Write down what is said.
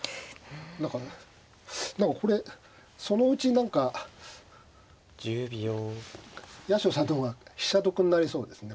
何か何かこれそのうち何か八代さんとこが飛車得になりそうですね。